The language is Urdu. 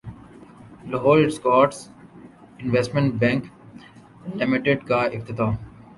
Lahore Escorts investment bank لمیٹڈکاافتتاح